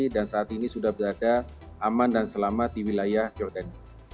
dan saat ini sudah berada aman dan selamat di wilayah jordan